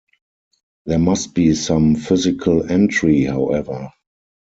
There must be some physical entry, however.